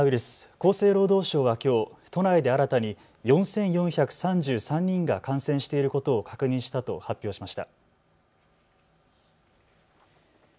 厚生労働省はきょう都内で新たに４４３３人が感染していることを確認したと発表しました。